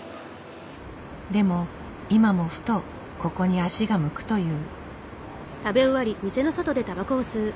でも今もふとここに足が向くという。